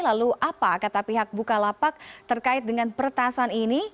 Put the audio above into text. lalu apa kata pihak bukalapak terkait dengan pertasan ini